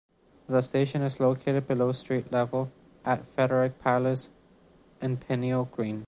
The station is located below street level at Frederick Place in Peniel Green.